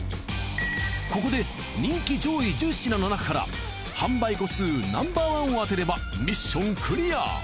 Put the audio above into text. ここで人気上位１０品のなかから販売個数Ｎｏ．１を当てればミッションクリア。